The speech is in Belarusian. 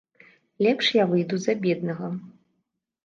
Лепш я выйду за беднага.